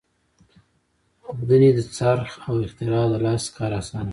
اوبدنې د څرخ اختراع د لاس کار اسانه کړ.